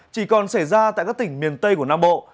chỉ còn xảy ra tại các tỉnh miền tây của nam bộ